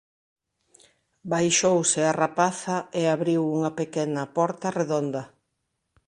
Baixouse a rapaza e abriu unha pequena porta redonda.